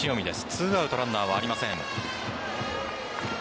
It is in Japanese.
２アウトランナーはありません。